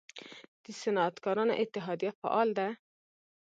د صنعتکارانو اتحادیه فعال ده؟